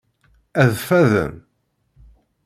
Ad ffaden.